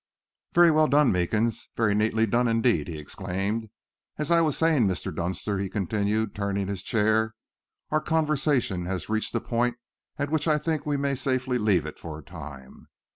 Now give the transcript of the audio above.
"Very well done, Meekins very neatly done, indeed!" he exclaimed. "As I was saying, Mr. Dunster," he continued, turning his chair, "our conversation has reached a point at which I think we may safely leave it for a time.